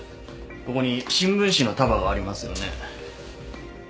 ここに新聞紙の束がありますよね。